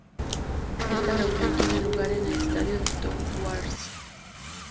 Esta reunión tiene lugar en el estadio de Thouars.